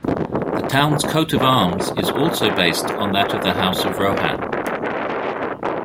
The town's coat-of-arms is also based on that of the House of Rohan.